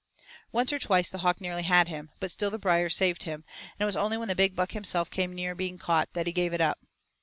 Once or twice the hawk nearly had him, but still the briers saved him, and it was only when the big buck himself came near being caught that he gave it up.